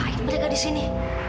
ngapain mereka disini